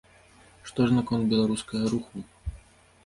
Што ж наконт беларускага руху?